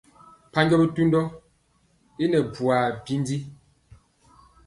Mpanjɔ bitundɔ i nɛ bwaa bindi.